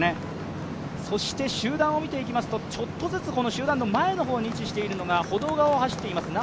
そして集団を見ていきますとちょっとずつ集団の前の方に位置しているのが歩道側を走っています